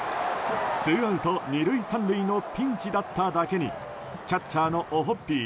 ツーアウト２塁３塁のピンチだっただけにキャッチャーのオホッピー